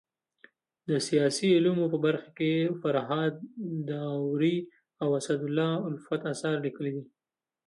د سیاسي علومو په برخه کي فرهاد داوري او اسدالله الفت اثار ليکلي دي.